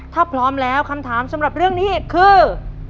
ถ้าพร้อมแล้วคำถามสำหรับเรื่องนี้คือ